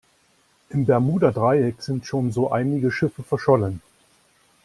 Im Bermuda-Dreieck sind schon so einige Schiffe verschollen.